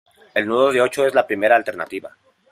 El nudo de ocho es la primera alternativa.